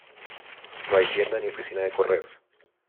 No hay tiendas ni oficina de correos.